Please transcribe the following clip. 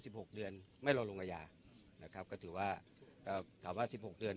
หกเดือนไม่รอลงอาญานะครับก็ถือว่าเอ่อถามว่าสิบหกเดือน